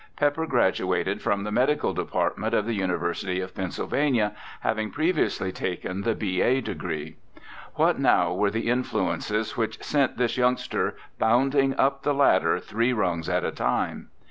Pepper graduated from the Medical Department of the University of Pennsylvania, having previously taken the B.A. degree. What now were the influences which sent this youngster bounding up the ladder three rungs at a time?